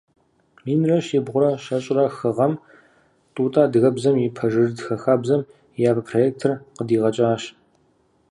Минрэ щибгъурэ щэщӏрэ хы гъэм Тӏутӏэ адыгэбзэм и пэжырытхэ хабзэм и япэ проектыр къыдигъэкӏащ.